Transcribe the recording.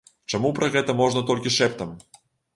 Чаму пра гэта можна толькі шэптам?